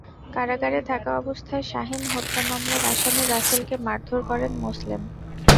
কারাগারে থাকা অবস্থায় শাহীন হত্যা মামলার আসামি রাসেলকে মারধর করেন মোসলেম।